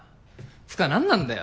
つか何なんだよ